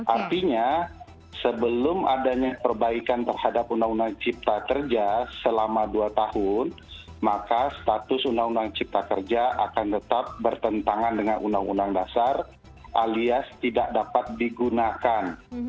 artinya sebelum adanya perbaikan terhadap undang undang cipta kerja selama dua tahun maka status undang undang cipta kerja akan tetap bertentangan dengan undang undang dasar alias tidak dapat digunakan